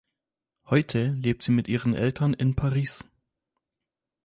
Heute lebt sie mit ihren Eltern in Paris.